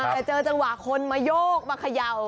แต่เจอจังหวะคนมาโยกมาเขย่า